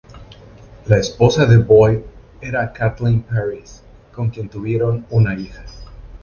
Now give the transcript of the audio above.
La esposa de Boyd era Kathleen París, con quien tuvieron una hija.